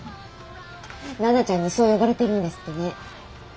奈々ちゃんにそう呼ばれてるんですってね。